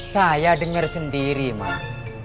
saya dengar sendiri mak